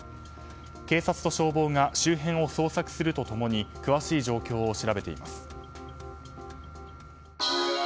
警察と消防が周辺を捜索すると共に詳しい状況を調べています。